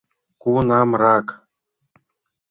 Кунамрак?